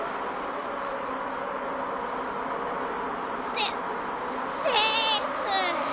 セセーフ。